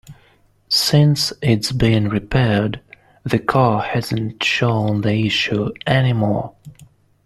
Since it's been repaired, the car hasn't shown the issue any more.